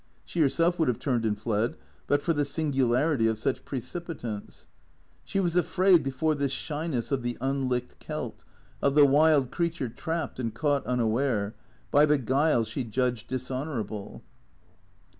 She herself would have turned and fled, but for the singularity of such precipitance. She was afraid before this shyness of the unlicked Celt, of the wild creature trapped and caught unaware, by the guile she judged dishonourable.